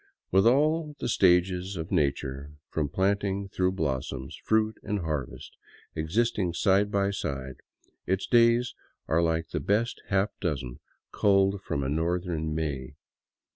With all the stages of nature, from planting through blossoms, fruit, and harvest, existing side by side, its days are like the best half dozen culled from a north ern May.